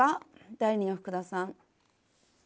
第２の福田さん。